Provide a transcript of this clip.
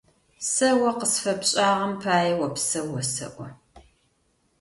Сэ о къысфэпшӏагъэм пае опсэу осэӏо.